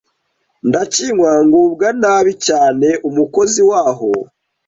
ndakinywa ngubwa nabi cyane umukozi waho